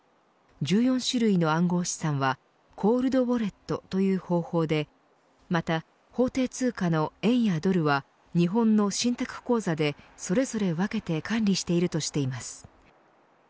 １４種類の暗号資産はコールドウォレットという方法でまた、法定通貨の円やドルは日本の信託口座でそれぞれ分けて管理しているとしています。